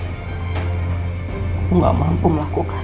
aku gak mampu melakukan